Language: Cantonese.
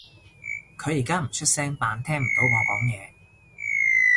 佢而家唔出聲扮聽唔到我講嘢